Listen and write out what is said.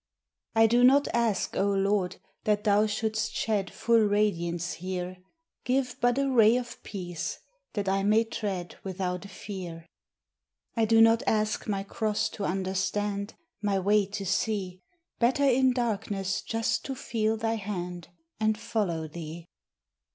I do not ask, O Lord, that thou shouldst shed Full radiance here; Give but a ray of peace, that I may tread Without a fear. I do not ask my cross to understand, My way to see; Better in darkness just to feel Thy hand And follow Thee.